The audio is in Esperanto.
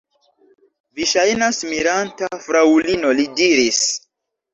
Vi ŝajnas miranta, fraŭlino, li diris.